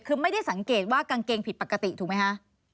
คือไม่ได้สังเกตว่ากางเกงผิดปกติถูกไหมคะ